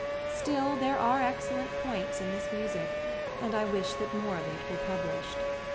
Still, there are excellent points in this music, and I wish that more of it were published.